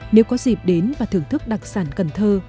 nếu có dịp đến và thưởng thức đặc sản cần thơ